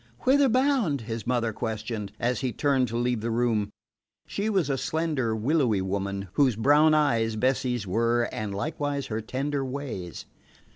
"Whither bound?" his mother questioned, as he turned to leave the room. She was a slender, willowy woman, whose brown eyes Bessie's were, and likewise her tender ways.